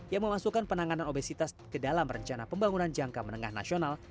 yang memasukkan penanganan obesitas ke dalam rencana pembangunan jangka menengah nasional